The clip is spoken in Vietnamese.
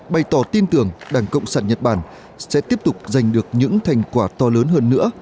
bày tỏ tin tưởng đảng cộng sản nhật bản sẽ tiếp tục giành được những thành quả to lớn hơn nữa